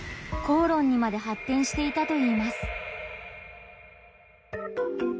口論にまで発展していたといいます。